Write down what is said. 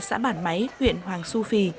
xã bản máy huyện hoàng su phi